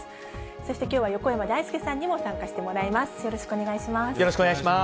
そしてきょうは横山だいすけさんにも参加してもらいます。